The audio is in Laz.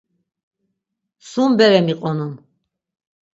Sum bere miqonun.